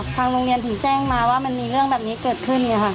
ทางโรงเรียนถึงแจ้งมาว่ามันมีเรื่องแบบนี้เกิดขึ้นไงค่ะ